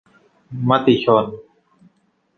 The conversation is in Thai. มติชน